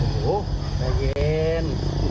โอ้โหใจเย็น